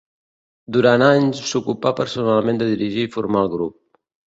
Durant anys s'ocupà personalment de dirigir i formar el grup.